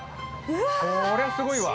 こりゃすごいわ。